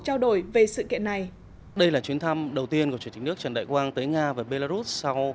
gọi về sự kiện này đây là chuyến thăm đầu tiên của chủ tịch nước trần đại quang tới nga và belarus